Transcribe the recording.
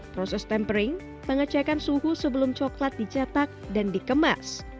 proses tempering pengecekan suhu sebelum coklat dicetak dan dikemas